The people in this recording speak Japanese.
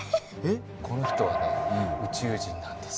この人はね宇宙人なんです。